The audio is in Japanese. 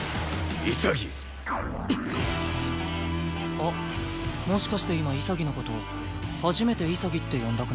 あっもしかして今潔の事初めて「潔」って呼んだくない？